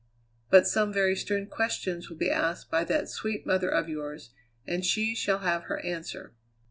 But some very stern questions will be asked by that sweet mother of yours, and she shall have her answer.